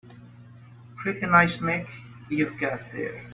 Pretty nice neck you've got there.